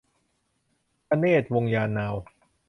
ธเนศ วงศ์ยานนาว